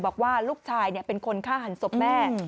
บอกว่าลูกชายเป็นคนฆ่าหันศพแม่